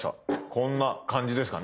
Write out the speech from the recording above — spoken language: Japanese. こんな感じですかね